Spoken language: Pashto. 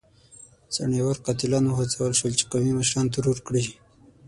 څڼيور قاتلان وهڅول شول چې قومي مشران ترور کړي.